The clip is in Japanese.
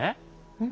うん？